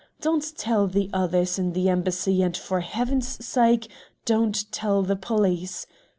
Don't tell the others in the Embassy, and, for Heaven's sake, don't tell the police.